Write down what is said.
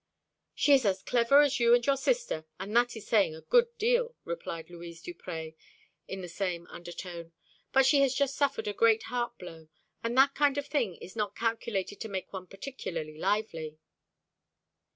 "She is as clever as you and your sister, and that is saying a good deal," replied Louise Duprez, in the same undertone; "but she has just suffered a great heart blow, and that kind of thing is not calculated to make one particularly lively."